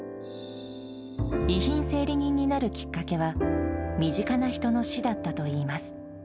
遺品整理人になるきっかけは、身近な人の死だったといいます。